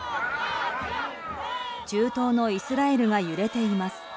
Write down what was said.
中東のイスラエルが揺れています。